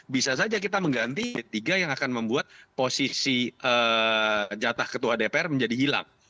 bisa saja kita mengganti tiga yang akan membuat posisi jatah ketua dpr menjadi hilang